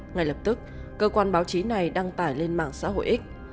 ngay lập tức cơ quan báo chí này đăng tải lên mạng xã hội x